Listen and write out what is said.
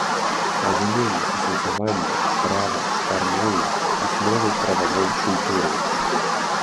Разуменне, асэнсаванне права фармуе асновы прававой культуры.